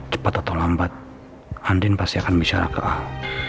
cepat atau lambat andin pasti akan bicara ke hal